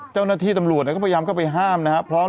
เจ้าหน้าที่ตำรวจก็พยายามเข้าไปห้ามนะครับ